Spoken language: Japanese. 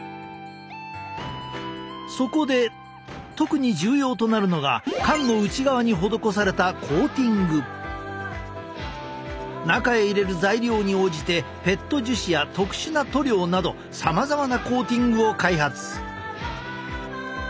そこで特に重要となるのが缶の内側に施された中へ入れる材料に応じてＰＥＴ樹脂や特殊な塗料などさまざまなコーティングを開発。